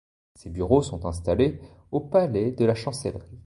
Ses bureaux sont installés au palais de la Chancellerie.